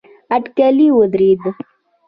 اټکلي ودرېدل.